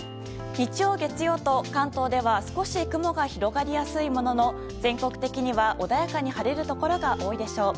日曜、月曜と関東では少し雲が広がりやすいものの全国的には穏やかに晴れるところが多いでしょう。